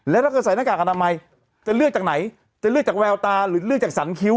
ลงไปเช็คหน่อย